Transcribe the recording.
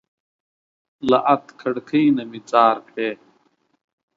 له ادکړکۍ نه مي ځار کړى